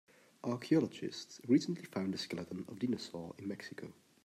Archaeologists recently found the skeleton of a dinosaur in Mexico.